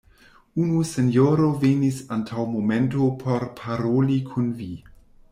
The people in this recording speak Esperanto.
Unu sinjoro venis antaŭ momento por paroli kun vi.